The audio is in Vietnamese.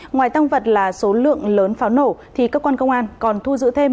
ngoài tăng vật là số lượng lớn pháo nổ thì cơ quan công an còn thu giữ thêm